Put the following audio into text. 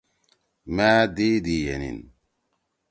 مأ دئی دی ینیِن۔